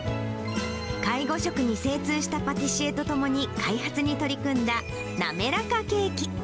介護食に精通したパティシエと共に開発に取り組んだなめらかケーキ。